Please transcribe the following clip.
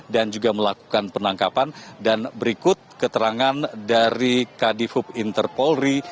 dan juga melakukan penangkapan dan berikut keterangan dari kadifub interpolri